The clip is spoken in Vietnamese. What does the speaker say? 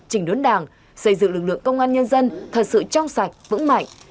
chỉnh đốn đảng xây dựng lực lượng công an nhân dân thật sự trong sạch vững mạnh